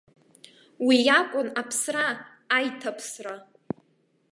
Уи акәын аԥсра, аиҭаԥсра!